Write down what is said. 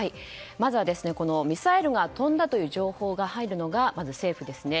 まずはミサイルが飛んだという情報が入るのがまず政府ですね。